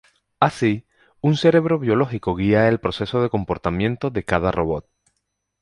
Así, un cerebro biológico guía el proceso de comportamiento de cada robot.